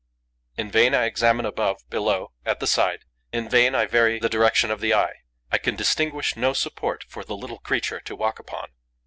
In vain I examine above, below, at the side; in vain I vary the direction of the eye: I can distinguish no support for the little creature to walk upon.